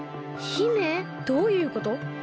どういうこと？